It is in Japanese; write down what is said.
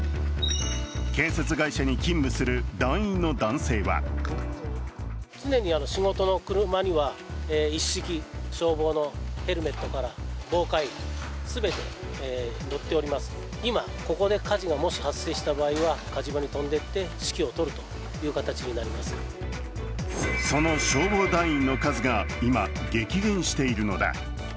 建設会社に勤務する団員の男性はその消防団員の数が今、激減しているのだ。